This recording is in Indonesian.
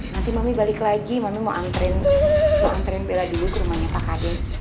nanti mami balik lagi mami mau anterin bella dulu ke rumahnya pak hades